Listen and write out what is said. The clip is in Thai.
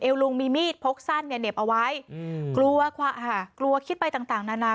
เอวลุงมีมีดพกสั้นเน็บเอาไว้กลัวคิดไปต่างนานา